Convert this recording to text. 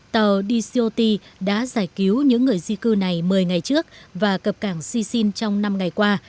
tàu dcot đã giải cứu những người di cư này một mươi ngày trước và cập cảng sicie trong năm ngày qua